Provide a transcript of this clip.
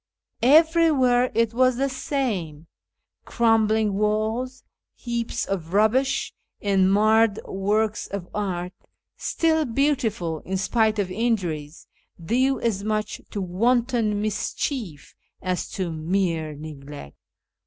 Everywhere it was the same — crumbling walls, heaps of rubbish, and marred works of art, still beautiful in spite of injuries, due as much to wanton mischief as to mere neglect.